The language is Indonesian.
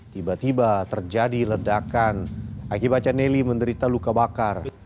tiba tiba terjadi ledakan akibatnya nelly menderita luka bakar